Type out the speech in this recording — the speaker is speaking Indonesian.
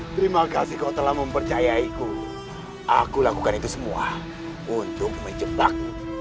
terima kasih kau telah mempercayaiku aku lakukan itu semua untuk menjebakmu